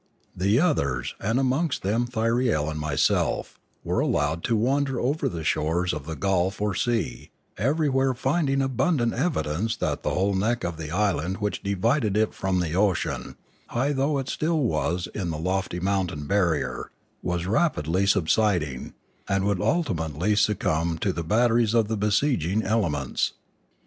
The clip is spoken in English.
The others, and amongst them Thyriel and myself, were allowed to wander over the shores of the gulf or sea, everywhere finding abundant evidence that the whole neck of land which divided it from the ocean, high though it still was in the lofty mountain barrier, was rapidly subsiding, and would ultimately succumb to the batteries of the besieging elements.